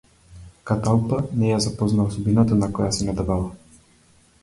Каталпа не ја запознала судбината на која се надевала.